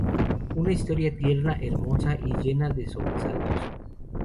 Una historia tierna, hermosa y llena de sobresaltos.